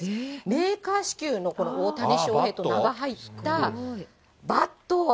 メーカー支給の大谷翔平と名が入ったバット。